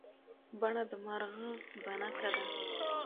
بڼه د مارغه بڼکه ده.